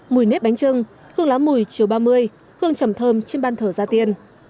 mùi nếp bánh trưng hương lá mùi chiều ba mươi hương trầm thơm trên ban thờ gia tiên